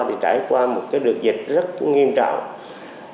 thì trải qua một cái đợt dịch rất nghiêm trọng